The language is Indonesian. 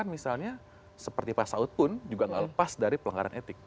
tapi yang seperti pak saud pun juga enggak lepas dari pelanggaran etik